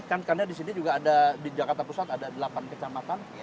karena di sini juga ada di jakarta pusat ada delapan kecamatan